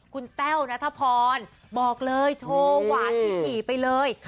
คุณแก้วนัทพรบอกเลยโทหวะสิบหีบไปเลย